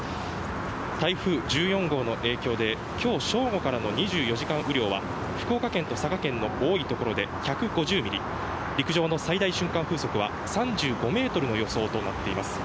台風１４号の影響で今日正午からの２４時間雨量は福岡県と佐賀県の多いところで１５０ミリ陸上の最大瞬間風速は３５メートルの予想となっています。